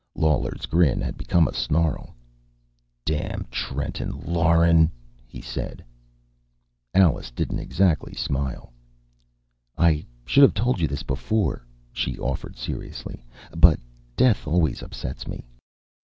Lawler's grin had become a snarl. "Damn Trenton Lauren!" he said. Alice didn't exactly smile. "I should have told you before this," she offered seriously, "but death always upsets me.